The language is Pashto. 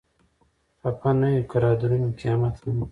خپه نه يو که رادرومي قيامت هم